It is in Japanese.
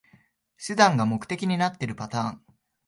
手段が目的になってるパターン